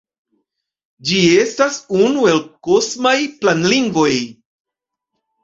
Ĝi estas unu el "kosmaj planlingvoj".